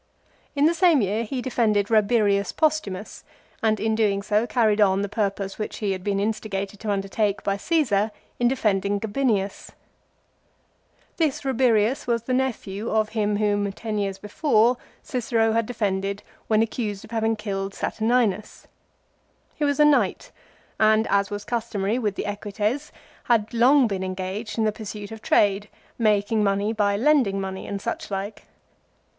In the same year he defended Eabirius Postumus, and in doing so carried on the purpose which he had been insti gated to undertake by Caesar in defending Gabinius. This Eabirius was the nephew of him whom ten years before Cicero had defended when accused of having killed Saturninus. He was a knight, and, as was customary with the Equites, had long been engaged in the pursuit of trade, making money by lending money and such like.